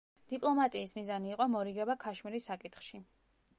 დიპლომატიის მიზანი იყო მორიგება ქაშმირის საკითხში.